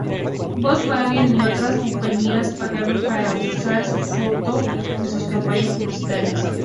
Volkswagen y otras compañías pagaron para usar su foto en sus campañas publicitarias.